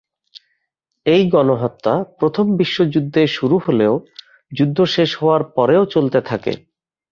এই গণহত্যা প্রথম বিশ্বযুদ্ধে শুরু হলেও যুদ্ধ শেষ হওয়ার পরেও চলতে থাকে।